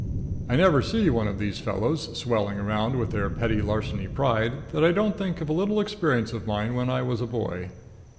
I never see one of these fellows swelling around with their petty larceny pride that I don't think of a little experience of mine when I was a boy.